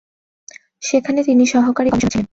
সেখানে তিনি সহকারী কমিশনার ছিলেন।